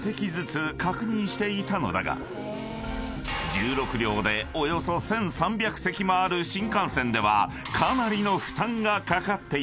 ［１６両でおよそ１，３００席もある新幹線ではかなりの負担がかかっていた］